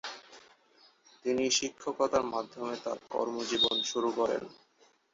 তিনি শিক্ষকতার মাধ্যমে তার কর্মজীবন শুরু করেন।